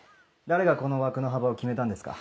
誰がこの枠の幅を決めたんですか？